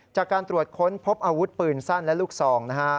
จากการตรวจค้นพบอาวุธปืนสั้นและลูกซองนะฮะ